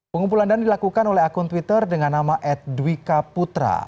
pengumpulan dana dilakukan oleh akun twitter dengan nama edwika putra